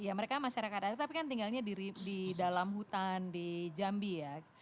ya mereka masyarakat adat tapi kan tinggalnya di dalam hutan di jambi ya